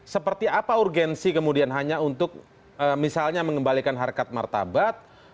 seperti apa urgensi kemudian hanya untuk misalnya mengembalikan harkat martabat